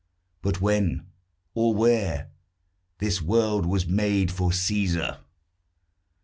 But when? or where? This world was made for Cæsar.